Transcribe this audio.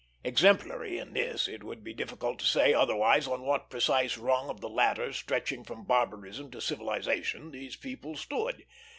Exemplary in this, it would be difficult to say, otherwise, on what precise rung of the ladder stretching from barbarism to civilization these people stood.